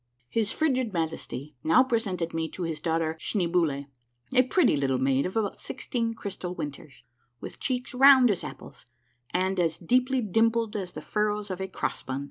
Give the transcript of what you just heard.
His frigid Majesty now presented me to his daughter Schnee boule, a pretty little maid of about sixteen crystal winters, with cheeks round as apples, and as deepl}' dimpled as the furrows of a cross bun.